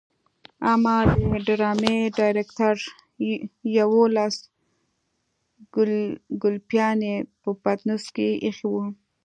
اما د ډرامې ډايرکټر يوولس ګلپيانې په پټنوس کې ايښې وي.